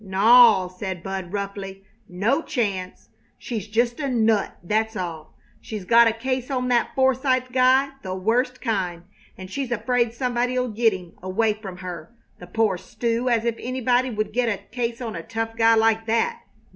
"Naw!" said Bud, roughly. "No chance! She's just a nut, that's all. She's got a case on that Forsythe guy, the worst kind, and she's afraid somebody 'll get him away from her, the poor stew, as if anybody would get a case on a tough guy like that!